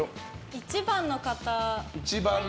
１番の方。